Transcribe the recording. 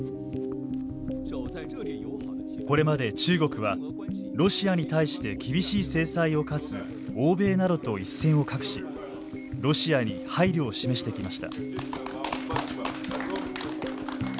これまで中国は、ロシアに対して厳しい制裁を科す欧米などと一線を画しロシアに配慮を示してきました。